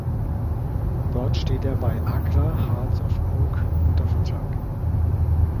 Dort steht er bei Accra Hearts of Oak unter Vertrag.